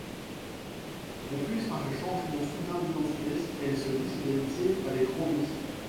Confuse par ce changement soudain d'identité, elle se lie d'amitié avec Rory.